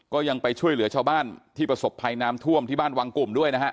ก็ยังไปช่วยเหลือชาวบ้านที่ประสบภัยน้ำท่วมที่บ้านวังกลุ่มด้วยนะฮะ